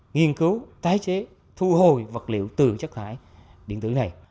nghiên cứu tái chế thu hồi vật liệu từ chất thải điện tử này